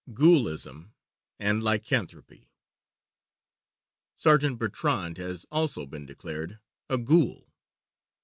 GHOULISM AND LYCANTHROPY Sergeant Bertrand has also been declared a ghoul.